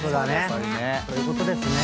そういうことですね。